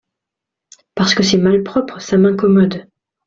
Parce que c’est malpropre ; ça m’incommode…